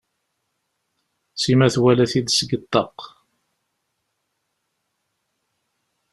Sima twala-t-id seg ṭṭaq.